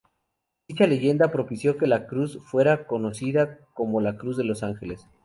Dicha leyenda propició que la cruz fuera conocida como la "Cruz de los Ángeles".